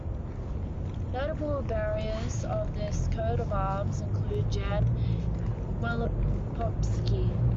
Notable bearers of this coat of arms include Jan Wielopolski.